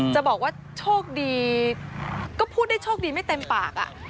จะบอกว่าโชคดีก็พูดได้โชคดีไม่เต็มปาก